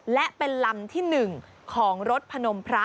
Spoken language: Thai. และเป็นลำที่๑ของรถพนมพระ